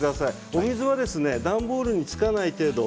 お水は段ボールにつかない程度。